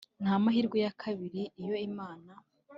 nta mahirwe ya kabiri iyo imana